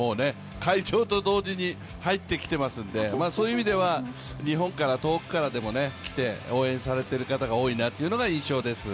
開場と同時に入ってきてますんでそういう意味では日本から遠くからでも来て応援されている方が多いなというのが印象です。